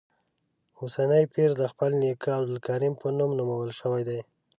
اوسنی پیر د خپل نیکه عبدالکریم په نوم نومول شوی دی.